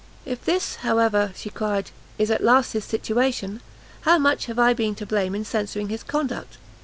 "If this, however," she cried, "is at last his situation, how much have I been to blame in censuring his conduct!